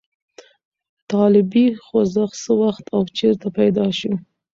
طالبي خوځښت څه وخت او چېرته پیدا شو؟